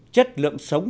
chất lượng sống